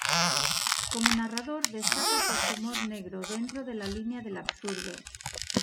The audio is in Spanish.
Como narrador, destaca por su humor negro, dentro de la línea del absurdo.